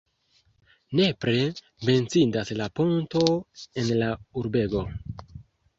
Nepre menciindas la ponto en la urbego.